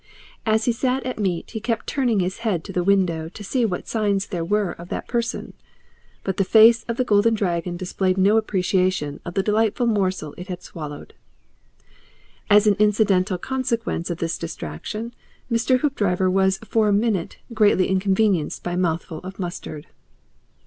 As he sat at meat he kept turning his head to the window to see what signs there were of that person, but the face of the Golden Dragon displayed no appreciation of the delightful morsel it had swallowed. As an incidental consequence of this distraction, Mr. Hoopdriver was for a minute greatly inconvenienced by a mouthful of mustard.